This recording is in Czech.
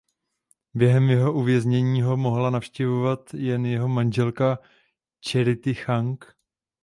Během jeho uvěznění ho mohla navštěvovat jen jeho manželka Charity Chang.